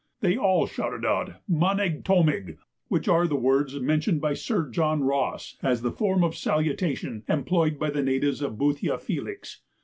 They all shouted out Manig Tomig, which are the words mentioned by Sir John Ross as the form of salutation employed by the natives of Boothia Felix.